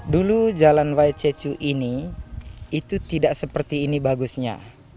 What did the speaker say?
dulu jalan waicecu ini itu tidak seperti ini bagusnya